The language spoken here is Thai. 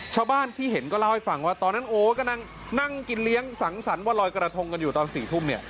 ชาวบ้านที่เห็นก็เล่าให้ฟังว่าตอนนั้นโอ้กำลังนั่งกินเลี้ยงสังสรรค์ว่าลอยกระทงกันอยู่ตอน๔ทุ่มเนี่ย